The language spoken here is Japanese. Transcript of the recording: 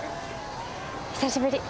久しぶり！